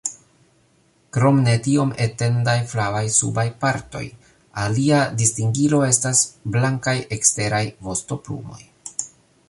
Krom ne tiom etendaj flavaj subaj partoj, alia distingilo estas blankaj eksteraj vostoplumoj.